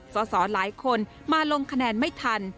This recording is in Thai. สอสอหลายคนมาลงคะแนนไม่ทัน